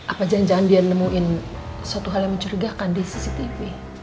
apa jangan jangan dia nemuin suatu hal yang mencurigakan di cctv